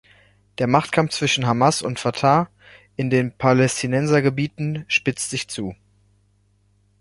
Der Machtkampf zwischen Hamas und Fatah in den Palästinensergebieten spitzt sich zu.